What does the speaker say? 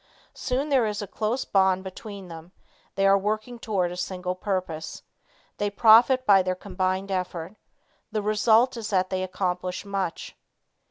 Soon there is a close bond between them; they are working toward a single purpose. They profit by their combined effort. The result is that they accomplish much.